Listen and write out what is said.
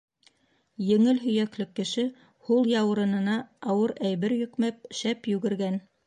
Еңел һөйәкле кеше, һул яурынына ауыр әйбер йөкмәп, шәп йүгергән.